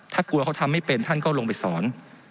ถ้ากลัวเขาทำไม่เป็นท่านก็ลงไปสอน